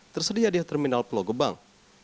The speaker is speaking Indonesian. tersedia di terminal pelogobang